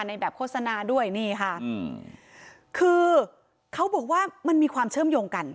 ในแบบโฆษณาด้วยนี่ค่ะอืมคือเขาบอกว่ามันมีความเชื่อมโยงกัน